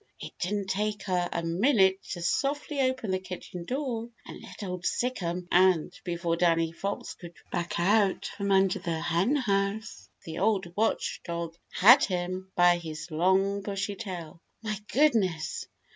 It didn't take her a minute to softly open the kitchen door and let out Old Sic'em, and before Danny Fox could back out from under the Henhouse, the old watchdog had him by his long bushy tail. My goodness!